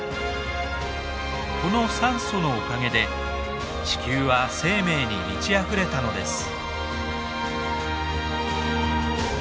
この酸素のおかげで地球は生命に満ちあふれたのです。